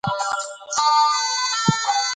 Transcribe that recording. د علم او ادب پالنه وکړئ.